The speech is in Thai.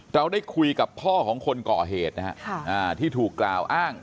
เราได้คุยกับพ่อของคนก่อเหตุนะฮะที่ถูกกล่าวอ้าง